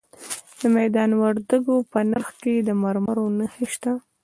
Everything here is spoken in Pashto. د میدان وردګو په نرخ کې د مرمرو نښې شته.